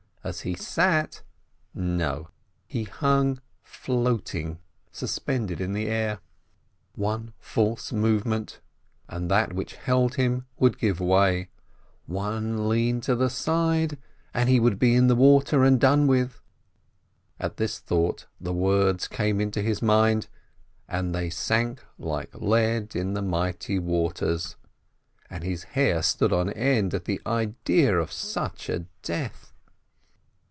As he sat? No, he hung floating, suspended in the air! One false movement, and that which held him would give way; one lean to the side, and he would be in the water and done with! At this thought, the words came into his mind, "And they sank like lead in the mighty waters," and his hair stood on end at the idea of such a death.